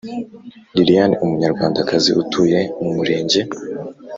Liliane umunyarwandakazi utuye mu Murenge